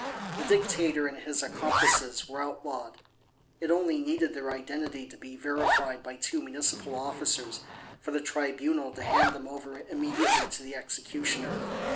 The Dictator and his accomplices were outlawed; it only needed their identity to be verified by two municipal officers for the Tribunal to hand them over immediately to the executioner.